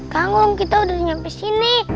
kita udah nyampe sini